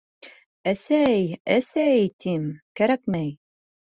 — Әсәй, әсәй, тим, кәрәкмәй.